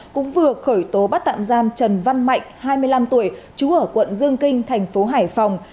cũng vừa khởi tố bắt tạm giam trần văn mạnh hai mươi năm tuổi trú ở quận dương kinh thành phố hải phòng